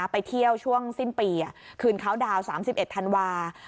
ไปเที่ยวช่วงสิ้นปีคืนเขาดาวน์๓๑ธันวาคม